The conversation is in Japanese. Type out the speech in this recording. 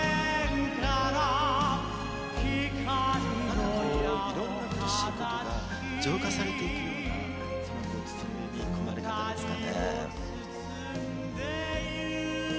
なんか、いろんな苦しいことが浄化されていくような包み込み方ですかね。